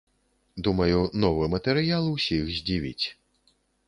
Думаю, новы матэрыял усіх здзівіць.